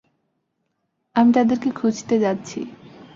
আমি তাদেরকে খুজতে যাচ্ছি।